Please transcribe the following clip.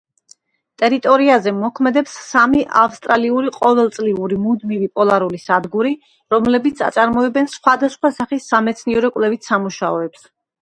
ტერიტორიაზე მოქმედებს სამი ავსტრალიური ყოველწლიური მუდმივი პოლარული სადგური, რომლებიც აწარმოებენ სხვადასხვა სახის სამეცნიერო-კვლევით სამუშაოებს.